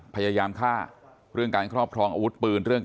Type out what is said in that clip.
พยายามฆ่าเรื่องการครอบครองอาวุธปืนเรื่อง